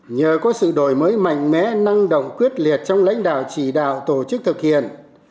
nhờ có sự đổi mới mạnh mẽ năng động quyết liệt trong lãnh đạo chỉ đạo tổ chức thực hiện